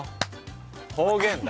方言だ。